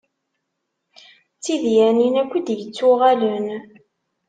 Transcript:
D tidyanin akk i d-yettuɣalen.